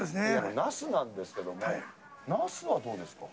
ナスなんですけども、ナスはどうですか。